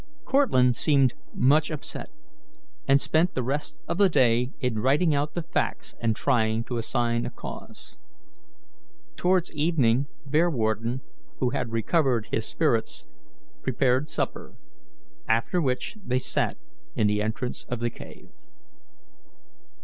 Cortlandt seemed much upset, and spent the rest of the day in writing out the facts and trying to assign a cause. Towards evening Bearwarden, who had recovered his spirits, prepared supper, after which they sat in the entrance to the cave.